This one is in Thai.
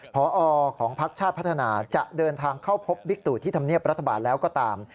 พอของพักชาติพัฒนาจะเดินทางเข้าพบบิ๊กตู่ที่ธรรมเนียบรัฐบาลแล้วก็ตาม